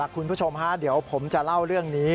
คุณผู้ชมฮะเดี๋ยวผมจะเล่าเรื่องนี้